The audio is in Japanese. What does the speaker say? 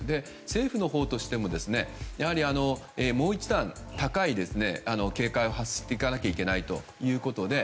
政府のほうとしてももう一段、高い警戒を発していかないといけないということです。